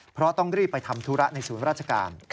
เพราะต้องรีบไปทำธุระในศูนย์ราชการ